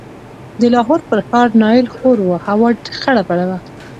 د لاهور پر ښار نایل خور و، هوا خړه پړه وه.